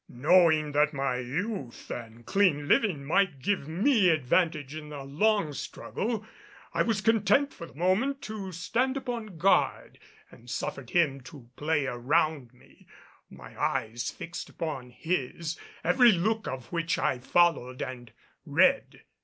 Knowing that my youth and clean living might give me advantage in a long struggle, I was content for the moment to stand upon guard and suffered him to play around me, my eyes fixed upon his, every look of which I followed and read.